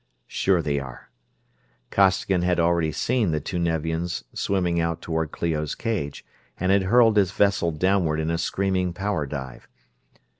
"Sure they are." Costigan had already seen the two Nevians swimming out toward Clio's cage, and had hurled his vessel downward in a screaming power dive.